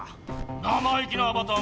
生意気なアバターめ！